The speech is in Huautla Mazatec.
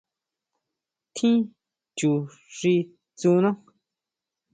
Tjín chu xi tsúna.